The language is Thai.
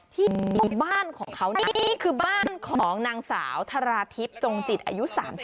ที่บ้านของเขานี่คือบ้านของนางสาวธาราทิพย์จงจิตอายุ๓๒